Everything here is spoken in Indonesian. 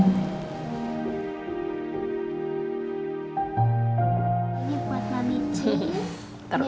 ini buat mami